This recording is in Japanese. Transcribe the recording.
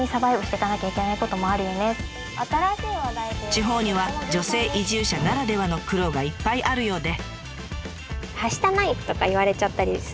地方には女性移住者ならではの苦労がいっぱいあるようで。